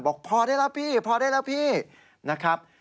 บอกพอได้แล้วพี่พอได้แล้วพี่นะครับ